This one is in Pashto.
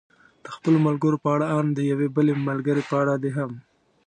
د خپلو ملګرو په اړه، ان د یوې بلې ملګرې په اړه دې هم.